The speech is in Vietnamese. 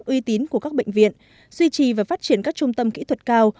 uy tín của các bệnh viện duy trì và phát triển các trung tâm kỹ thuật cao